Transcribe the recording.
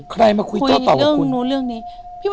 คุยเรื่องนู้นเรื่องนี้